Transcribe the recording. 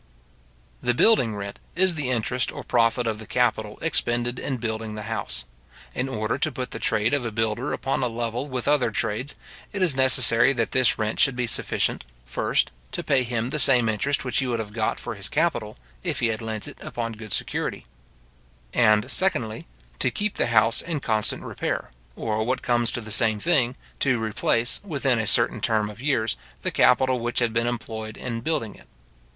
The building rent is the interest or profit of the capital expended in building the house. In order to put the trade of a builder upon a level with other trades, it is necessary that this rent should be sufficient, first, to pay him the same interest which he would have got for his capital, if he had lent it upon good security; and, secondly, to keep the house in constant repair, or, what comes to the same thing, to replace, within a certain term of years, the capital which had been employed in building it.